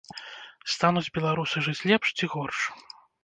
Стануць беларусы жыць лепш ці горш?